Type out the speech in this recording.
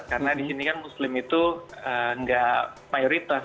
karena di sini kan muslim itu nggak mayoritas